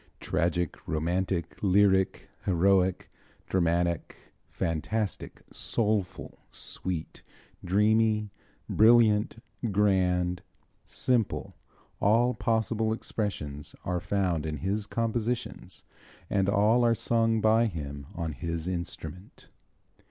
"Tragic, romantic, lyric, heroic, dramatic, fantastic, soulful, sweet, dreamy, brilliant, grand, simple, all possible expressions are found in his compositions and all are sung by him on his instrument."